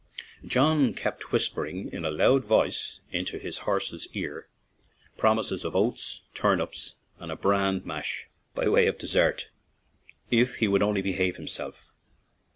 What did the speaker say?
John kept whis pering in a loud voice into his horse's ear promises of oats, turnips, and a bran mash by way of dessert, if he would only behave himself.